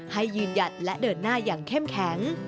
ยืนหยัดและเดินหน้าอย่างเข้มแข็ง